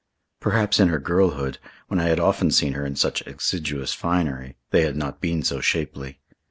Perhaps in her girlhood, when I had often seen her in such exiguous finery, they had not been so shapely.